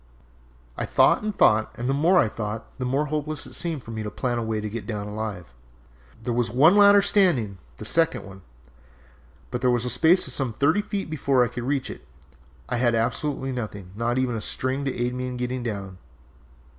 "I thought and thought, and the more I thought the more hopeless it seemed to me to plan a way to get down alive. There was one ladder still standing, the second one, but there was a space of some thirty feet before I could reach it. I had absolutely nothing, not even a string, to aid me in getting down.